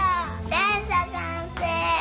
でんしゃかんせい！